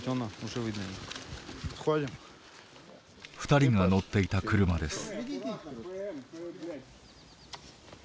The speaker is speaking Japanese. ２人が乗っていた車です。